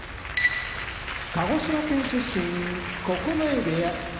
鹿児島県出身九重部屋